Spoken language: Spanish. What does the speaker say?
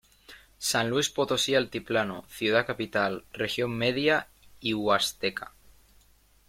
San Luis Potosí Altiplano, Ciudad Capital, Región Media y Huasteca.